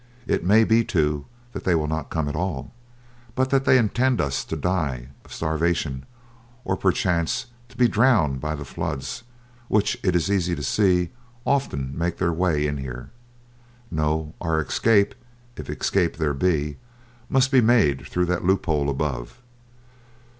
It may be, too, that they will not come at all, but that they intend us to die of starvation, or perchance to be drowned by the floods, which it is easy to see often make their way in here. No, our escape, if escape there be, must be made through that loophole above.